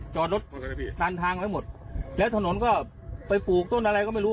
จอดรถตันทางไว้หมดแล้วถนนก็ไปปลูกต้นอะไรก็ไม่รู้